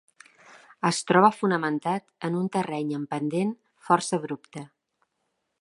Es troba fonamentat en un terreny en pendent força abrupte.